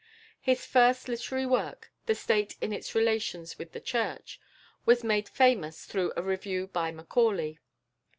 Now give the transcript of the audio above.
His first literary work, "The State in its Relations with the Church," was made famous through a review by Macaulay.